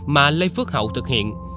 mà lê phước hậu thực hiện